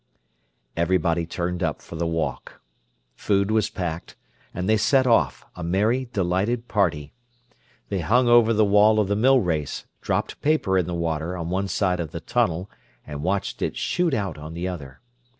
Everybody turned up for the walk. Food was packed, and they set off, a merry, delighted party. They hung over the wall of the mill race, dropped paper in the water on one side of the tunnel and watched it shoot out on the other.